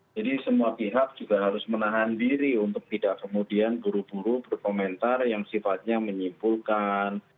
semua pihak juga harus menahan diri untuk tidak kemudian buru buru berkomentar yang sifatnya menyimpulkan